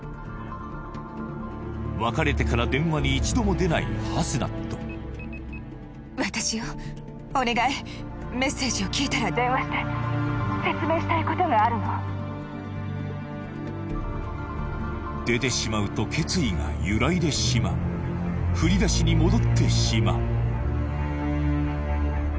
別れてから電話に一度も出ないハスナット出てしまうと決意が揺らいでしまう振り出しに戻ってしまう